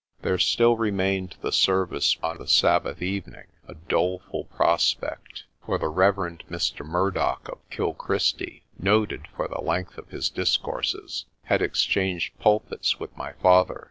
There still remained the service on the Sabbath evening a doleful pros pect, for the Rev. Mr. Murdoch of Kilchristie, noted for the length of his discourses, had exchanged pulpits with my father.